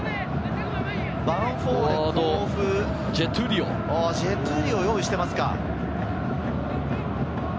ヴァンフォーレ甲府、ジェトゥリを用意していますか？